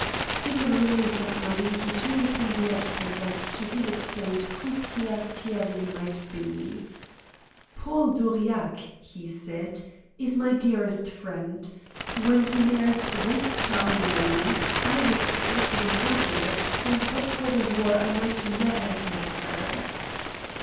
To the relief of Marie he turned upon the adjutant and to him explained who Pierre Thierry might be. "Paul d'Aurillac," he said, "is my dearest friend. When he married this charming lady I was stationed in Algiers, and but for the war I might never have met her."